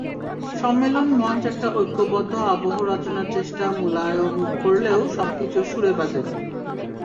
সম্মেলন মঞ্চ একটা ঐক্যবদ্ধ আবহ রচনার চেষ্টা মুলায়ম করলেও সবকিছু সুরে বাজেনি।